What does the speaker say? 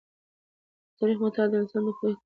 د تاریخ مطالعه د انسان د پوهې کچه لوړوي.